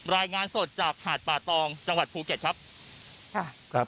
รายงานสดจากหาดป่าตองจังหวัดภูเก็ตครับค่ะครับ